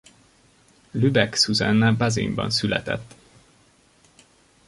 Lübeck Susanna Bazinban született.